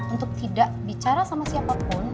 untuk tidak bicara sama siapapun